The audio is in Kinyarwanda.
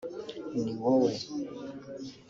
Ni wowe